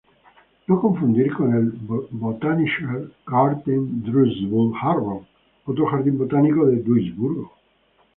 No confundir con el Botanischer Garten Duisburg-Hamborn, otro jardín botánico en Duisburgo.